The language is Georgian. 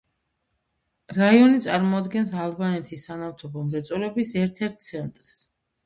რაიონი წარმოადგენს ალბანეთი სანავთობო მრეწველობის ერთ-ერთ ცენტრს.